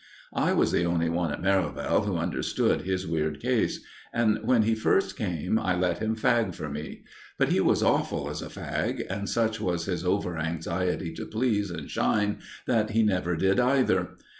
I was the only one at Merivale who understood his weird case, and when he first came, I let him fag for me; but he was awful as a fag, and such was his over anxiety to please and shine that he never did either.